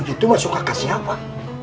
itu masuk kakak siapa